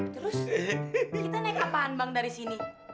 terus kita naik apaan bang dari sini